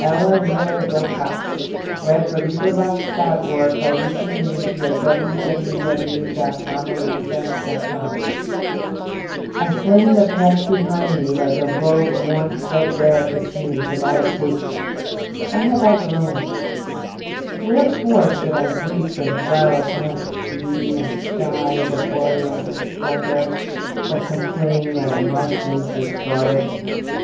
Ella Wheeler Wilcox The Past I FLING the past behind me, like a robe Worn threadbare at the seams, and out of date. I have outgrown it. Wherefore should I weep And dwell upon its beauty, and its dyes Of oriental splendor, or complain That I must needs discard it?